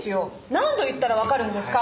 何度言ったらわかるんですか！